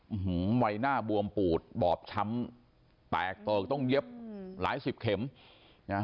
หือใบหน้าบวมปูดบอบช้ำแตกเติกต้องเย็บหลายสิบเข็มนะฮะ